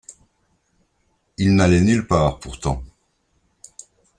Il n’allait nulle part pourtant.